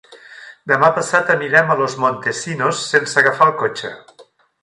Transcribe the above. Demà passat anirem a Los Montesinos sense agafar el cotxe.